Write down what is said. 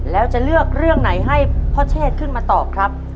แล้วจะเลือกเรื่องไหนให้พ่อเชษขึ้นมาตอบครับ